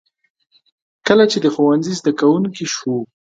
کله چې د ښوونځي زده کوونکی شو.